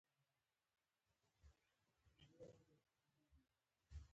قومونه د افغانستان په اوږده تاریخ کې په تفصیل ذکر شوی دی.